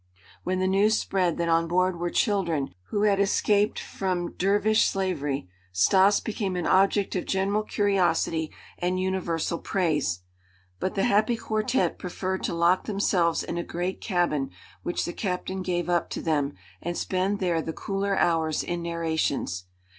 When the news spread that on board were children who had escaped from dervish slavery Stas became an object of general curiosity and universal praise. But the happy quartette preferred to lock themselves in a great cabin which the captain gave up to them and spend there the cooler hours in narrations.